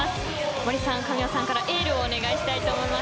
森さん、神尾さんからエールをお願いしたいと思います。